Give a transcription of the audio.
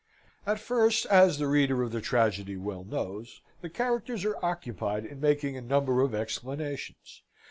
At first, as the reader of the tragedy well knows, the characters are occupied in making a number of explanations.